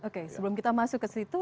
oke sebelum kita masuk ke situ